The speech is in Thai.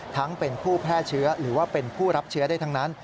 ทั้งเป็นผู้แพร่เชื้อหรือว่าเป็นผู้รับเชื้อได้ทั้งนั้น